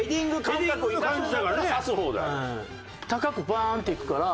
高くバーンっていくから。